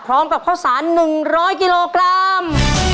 พร้อมกับพ่อสรร๑๐๐กิโลกรัม